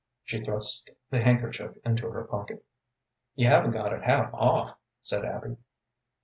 She thrust the handkerchief into her pocket. "You haven't got it half off," said Abby.